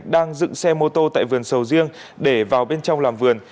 đang dựng xe mô tô tại vườn sầu riêng để vào bên trong làm vườn